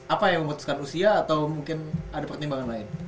apa yang memutuskan usia atau mungkin ada pertimbangan lain